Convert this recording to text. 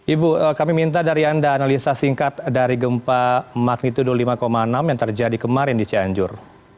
ibu kami minta dari anda analisa singkat dari gempa magnitudo lima enam yang terjadi kemarin di cianjur